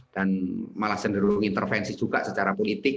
dan malah sendirung intervensi juga secara politik